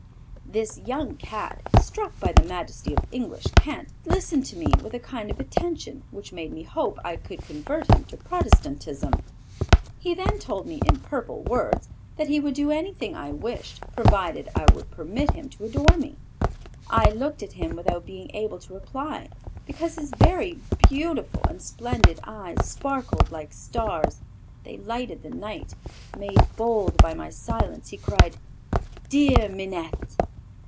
This young Cat, struck by the majesty of English cant, listened to me with a kind of attention which made me hope I could convert him to Protestantism. He then told me in purple words that he would do anything I wished provided I would permit him to adore me. I looked at him without being able to reply because his very beautiful and splendid eyes sparkled like stars; they lighted the night. Made bold by my silence, he cried "Dear Minette!"